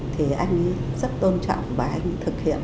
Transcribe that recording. thì anh rất tôn trọng và anh thực hiện